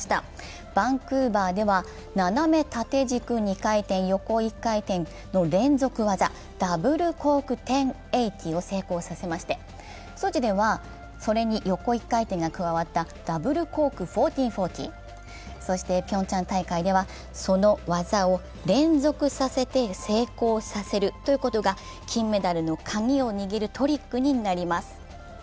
バンクーバーでは斜め縦軸２回転、横１回転の連続技、ダブルコーク１０８０を成功させまして、ソチではそれに横１回転が加わったダブルコーク１４４０、そしてピョンチャン大会ではその技を連続させて成功させて、金メダルの鍵を握るトリックになります。